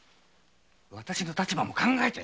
私の立場も考えて。